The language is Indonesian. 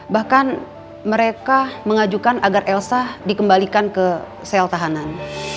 bahkan mereka mengajukan agar elsa dikembalikan ke sel tahanan